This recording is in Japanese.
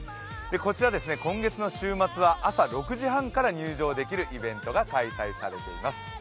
こちら、今月の週末は朝６時半から入場できるイベントが開催されています。